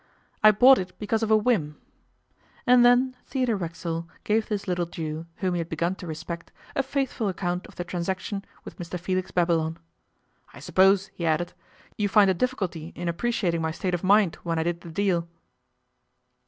I bought it because of a whim.' And then Theodore Racksole gave this little Jew, whom he had begun to respect, a faithful account of the transaction with Mr Felix Babylon. 'I suppose,' he added, 'you find a difficulty in appreciating my state of mind when I did the deal.